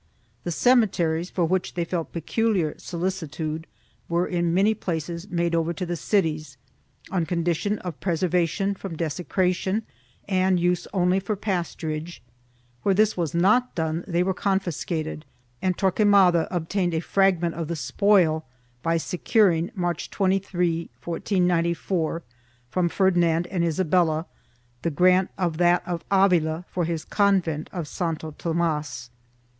3 The cemeteries, for which they felt peculiar solicitude, were in many places made over to the cities, on con dition of preservation from desecration and use only for pasturage ; where this was not done they were confiscated and Torquemada obtained a fragment of the spoil by securing, March 23, 1494, from Ferdinand and Isabella, the grant of that of Avila for his convent of Santo Tomas.